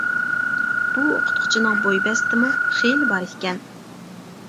بۇ ئوقۇتقۇچىنىڭ بوي-بەستىمۇ خېلى بار ئىكەن.